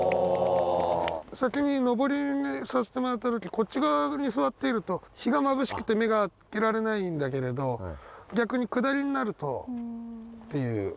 先に上りにさせてもらった時こっち側に座っていると日がまぶしくて目が開けられないんだけれど逆に下りになるとっていう。